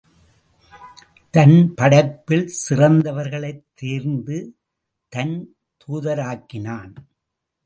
தன் படைப்பில் சிறந்தவர்களைத் தேர்ந்து, தன் தூதராக்கினான்.